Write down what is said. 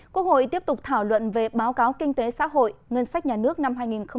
quốc hội tiếp tục thảo luận về báo cáo kinh tế xã hội ngân sách nhà nước năm hai nghìn một mươi chín